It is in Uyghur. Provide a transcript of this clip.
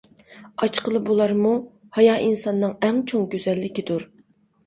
ئاچقىلى بولارمۇ؟ ھايا ئىنساننىڭ ئەڭ چوڭ گۈزەللىكىدۇر!